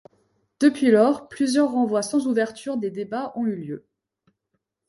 Depuis lors, plusieurs renvois sans ouverture des débats ont eu lieu.